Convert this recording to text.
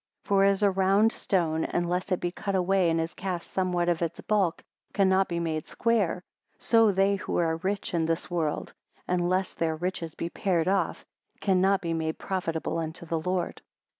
71 For as a round stone, unless it be cut away and is cast somewhat of its bulk, cannot be made square, so they who are rich in this world; unless their riches be pared off; cannot be made profitable unto the Lord.